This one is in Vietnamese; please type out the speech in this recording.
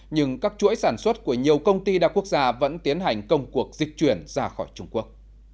nhưng các chuỗi sản xuất của nhiều công ty đa quốc gia vẫn tiến hành công cuộc dịch chuyển ra khỏi trung quốc